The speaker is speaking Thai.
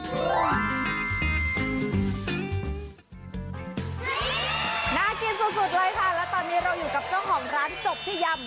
น่ากินสุดเลยค่ะและตอนนี้เราอยู่กับเจ้าของร้านจบที่ยำ